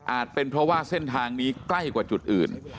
เป็นเพราะว่าเส้นทางนี้ใกล้กว่าจุดอื่น